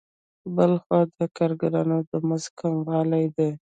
بل خوا د کارګرانو د مزد کموالی دی